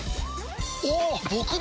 おっ！